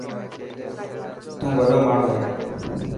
تون وڏو ماڻهو هي.